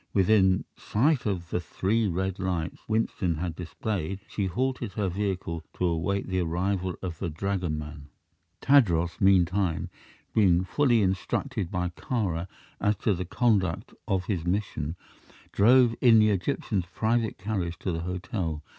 Within sight of the three red lights Winston had displayed, she halted her vehicle to await the arrival of the dragoman. Tadros, meantime, being fully instructed by Kāra as to the conduct of his mission, drove in the Egyptian's private carriage to the hotel.